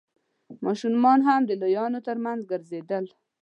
ماشومان هم د لويانو تر مينځ ګرځېدل.